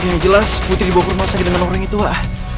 yang jelas putri di bawah rumah saya dengan orang itu wak